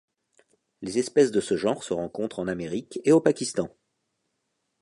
Les espèces de ce genre se rencontrent en Amérique et au Pakistan.